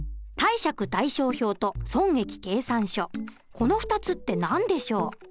この２つって何でしょう？